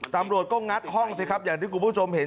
ตำรวจก็งัดห้องสิครับอย่างที่คุณผู้ชมเห็น